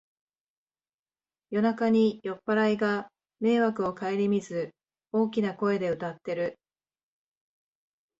夜中に酔っぱらいが迷惑をかえりみず大きな声で歌ってる